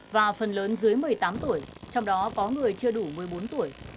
và phần lớn dưới một mươi tám tuổi trong đó có người chưa đủ một mươi bốn tuổi